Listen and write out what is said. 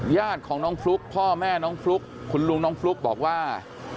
ญาติของน้องฟลุ๊กพ่อแม่น้องฟลุ๊กคุณลุงน้องฟลุ๊กบอกว่า